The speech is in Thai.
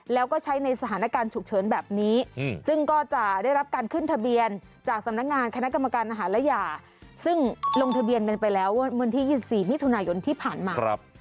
แล้วก็ใช้ในสถานการณ์ฉุกเฉินแบบนี้ซึ่งก็จะได้รับการขึ้นทะเบียนจากสำนักงานคณะกรรมการอาหารและยาซึ่งลงทะเบียนกันไปแล้ววันที่๒๔มิถุนายนที่ผ่านมา